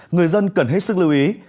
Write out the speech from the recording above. người dân cần hết sức lưu ý